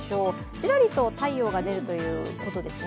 ちらりと太陽が出るということですね。